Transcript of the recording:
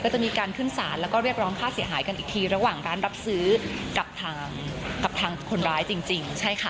จะมีการขึ้นสารแล้วก็เรียกร้องค่าเสียหายกันอีกทีระหว่างร้านรับซื้อกับทางกับทางคนร้ายจริงใช่ค่ะ